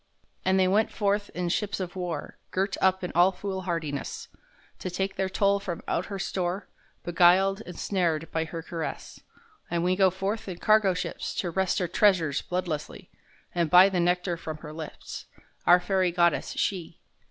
And they went forth in ships of war Girt up in all foolhardiness, To take their toll from out her store, Beguiled and snared by her caress; And we go forth in cargo ships To wrest her treasures bloodlessly, And buy the nectar from her lips, Our fairy goddess, she!